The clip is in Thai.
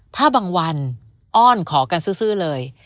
ถ้าบางวันอ้อนขอกันซื้อเลย